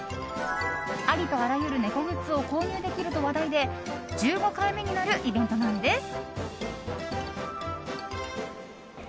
ありとあらゆる猫グッズを購入できると話題で１５回目になるイベントなんです。